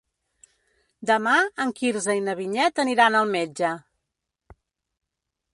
Demà en Quirze i na Vinyet aniran al metge.